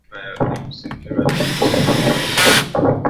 na sifa za kusifiwa na Mataifa ya magharibi